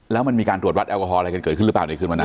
แล้วมันมีการตรวจวัดแอลกอฮอลอะไรกันเกิดขึ้นหรือเปล่าในคืนวันนั้น